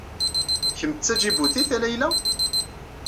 Kemm d taǧibutit a Layla?